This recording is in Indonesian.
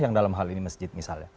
yang dalam hal ini masjid misalnya